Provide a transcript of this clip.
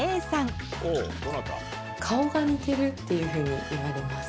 こちらはあるっていうふうに言われます。